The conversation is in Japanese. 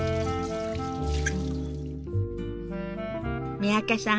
三宅さん